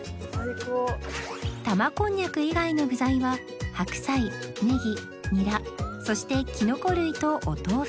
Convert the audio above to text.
玉こんにゃく以外の具材ははくさいネギにらそしてキノコ類とお豆腐